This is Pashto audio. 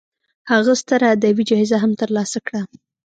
هغه ستره ادبي جایزه هم تر لاسه کړه.